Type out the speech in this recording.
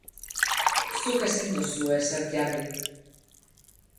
Zuk ezin duzu ezer jarri.